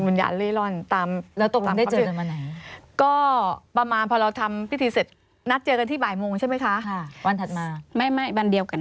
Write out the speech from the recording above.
วันถัดมาไม่วันเดียวกัน